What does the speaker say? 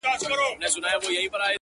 دا عجيبه شانې هنر دی زما زړه پر لمبو’